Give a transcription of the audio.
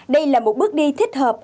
đây là một bước đi thích hợp